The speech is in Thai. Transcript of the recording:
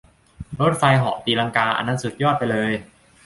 รถไฟเหาะตีลังกาอันนั้นสุดยอกไปเลย !